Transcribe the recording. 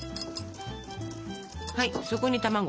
はいそこに卵。